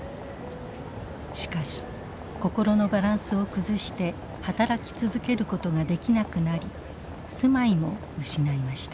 しかし心のバランスを崩して働き続けることができなくなり住まいも失いました。